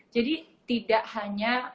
jadi tidak hanya